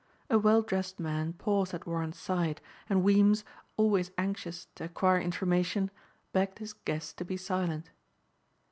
A well dressed man paused at Warren's side and Weems, always anxious to acquire information, begged his guest to be silent.